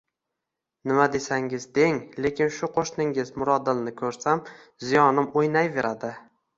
Nima desangiz, deng, lekin shu qo`shningiz Mirodilni ko`rsam ziyonim o`ynayveradi